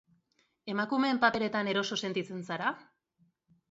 Emakumeen paperetan eroso sentitzen zara?